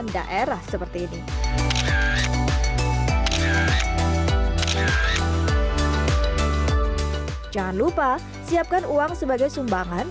jangan lupa siapkan uang sebagai sumbangan